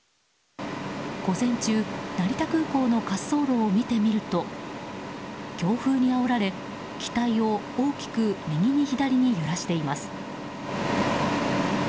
午前中成田空港の滑走路を見てみると強風にあおられ、機体を大きく右に左に揺らしています。